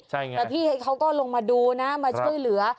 แต่พี่เขาก็ลงมาดูนะมาช่วยเหลือ